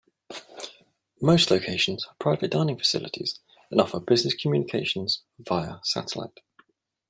Most locations have private dining facilities and offer business communications via satellite.